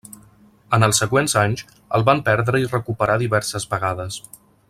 En els següents anys, el van perdre i recuperar diverses vegades.